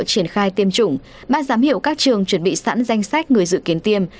triển khai tiêm chủng ban giám hiệu các trường chuẩn bị sẵn danh sách người dự kiến tiêm